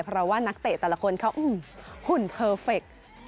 เพราะว่านักเตะแต่ละคนเขาหุ่นเพอร์เฟค